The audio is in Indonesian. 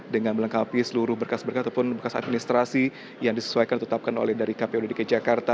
dengan melengkapi seluruh berkas berkas ataupun berkas administrasi yang disesuaikan ditetapkan oleh dari kpu dki jakarta